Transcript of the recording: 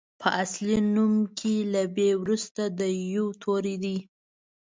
په اصلي نوم کې له بي وروسته د يوو توری دی.